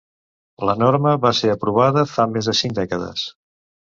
La norma va ser aprovada fa més de cinc dècades.